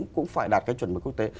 cũng phải đạt cái chuẩn mực quốc tế